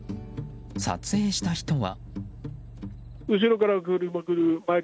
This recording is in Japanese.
撮影した人は。